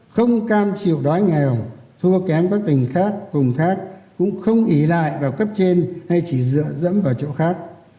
không cam chịu đói nghèo thua kém các tình khác cùng khác cũng không ý lại vào cấp trên hay chỉ dựa dẫm vào chỗ khác